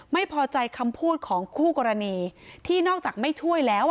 ไม่พอใจคำพูดของคู่กรณีที่นอกจากไม่ช่วยแล้ว